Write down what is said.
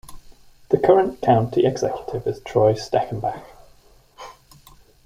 The current county executive is Troy Steckenbach.